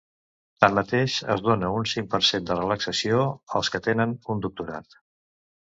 Tanmateix, es dona un cinc per cent de relaxació als que tenen un doctorat.